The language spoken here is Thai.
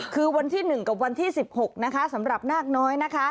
คือวันที่๑กับวันที่๑๖นะคะสำหรับนาคน้อยนะคะ